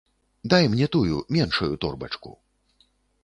Дай мне тую, меншую торбачку.